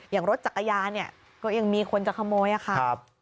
อย่างรถจักรยานเนี่ยก็ยังมีคนจะขโมยค่ะ